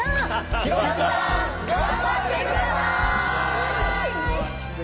ヒロミさん、頑張ってください！